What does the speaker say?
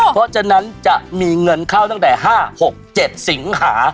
เพราะฉะนั้นจะมีเงินเข้าตั้งแต่๕๖๗สิงหา